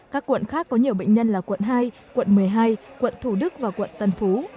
các quận khác có nhiều bệnh nhân là quận hai quận một mươi hai quận thủ đức và quận tân phú